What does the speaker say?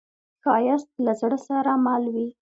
ښایست له زړه سره مل وي